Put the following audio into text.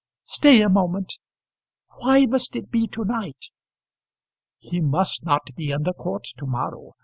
"Stay a moment. Why must it be to night?" "He must not be in the court to morrow.